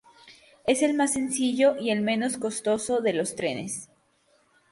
Es el más sencillo y el menos costoso de los tres.